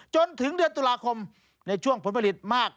จนถึงเดือนตุลาคมในช่วงผลผลิตมาก